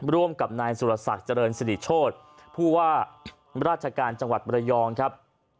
ร่วมกับนายสุรศักดิ์เจริญสิริโชธผู้ว่าราชการจังหวัดบรยองครับ